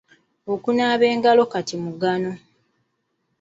Okunaaba engalo kati mugano.